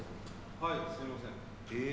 はいすいません。